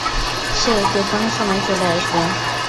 সে যেকোনো সময় চলে আসবে।